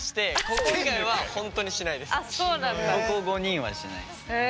ここ５人はしないですね。